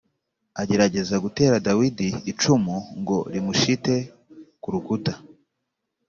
agerageza gutera Dawidi icumu ngo rimushite ku rukuta